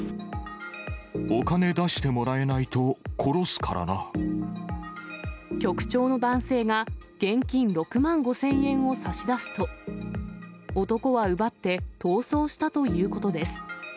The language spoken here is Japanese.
お金出してもらえないと、局長の男性が、現金６万５０００円を差し出すと、男は奪って逃走したということです。